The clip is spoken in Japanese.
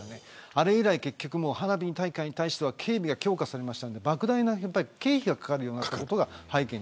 あれ以来、結局花火大会に対しては警備が強化されて莫大な経費がかかるようになったことが背